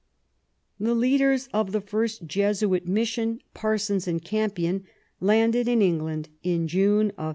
The leaders of the first Jesuit mission, Parsons and Campion, landed in England in June, 1580.